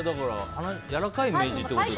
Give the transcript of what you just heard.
やわらかいイメージってことですかね。